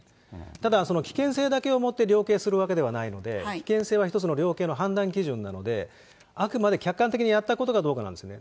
ただ、危険性だけをもって量刑するわけではないので、危険性は一つの量刑の判断基準なので、あくまで客観的にやったことかどうかなんですよね。